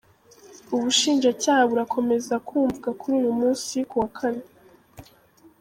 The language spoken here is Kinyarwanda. Ubushinjacyaha burakomeza kumvwa kuri uyu munsi kuwa Kane.